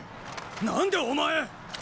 何でお前！